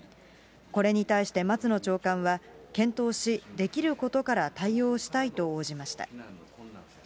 これに対して、松野長官は検討し、できることから対応したいと応じました。